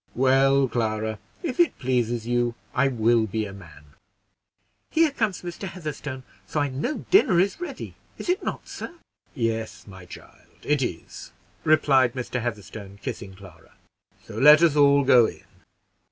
"Well, Clara, if it pleases you, I will be a man." "Here comes Mr. Heatherstone, so I know dinner is ready; is it not, sir?" "Yes, my child, it is," replied Mr. Heatherstone, kissing Clara, "so let us all go in."